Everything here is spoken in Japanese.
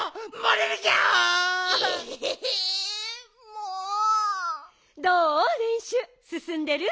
れんしゅうすすんでる？